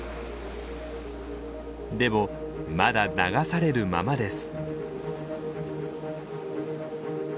でもまだ流されるままです。